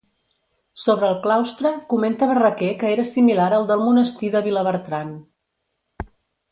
Sobre el claustre comenta Barraquer que era similar al del Monestir de Vilabertran.